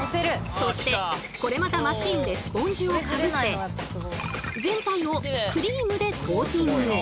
そしてこれまたマシンでスポンジをかぶせ全体をクリームでコーティング。